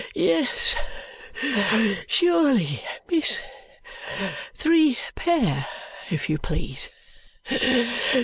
"Yes, Surely, miss. Three pair, if you please.